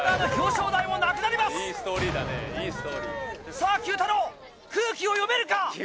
さぁＱ太郎空気を読めるか？